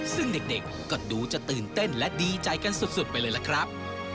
ซึ่งเด็กก็ดูจะตื่นเต้นและดีใจกันสุดไปเลยล่ะครับ